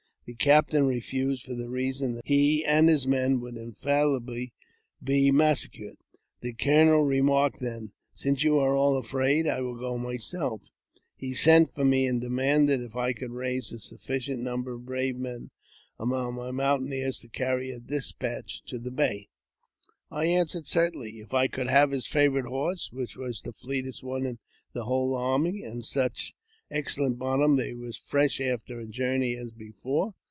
The captain refused, for the reason that he and his men would infallibly be massacred. The colonel remarked then, *' Since you are all afraid, I will W» 342 AUTOBIOGBAPHY OF go myself." He sent for me, and demanded if I could raise sufficient number of brave men among my mountaineers t carry despatches to the Bay. I answered, certainly, if I could have his favourite horse which was the fleetest one in the whole army, and such excellent bottom that he was as fresh after a journey as before.